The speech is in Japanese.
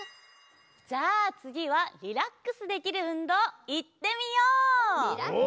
じゃあつぎはリラックスできるうんどういってみよう！